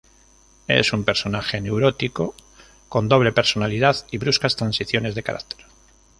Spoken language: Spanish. Es un personaje neurótico, con doble personalidad y bruscas transiciones de carácter.